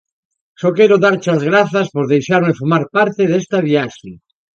Só quero darche as grazas por deixarme formar parte desta viaxe.